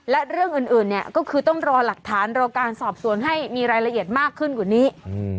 และเรื่องอื่นเนี่ยก็คือต้องรอหลักฐานรอการสอบสวนให้มีรายละเอียดมากขึ้นกว่านี้